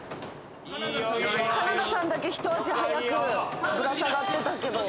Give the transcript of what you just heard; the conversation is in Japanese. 金田さんだけ一足早くぶら下がってたけど。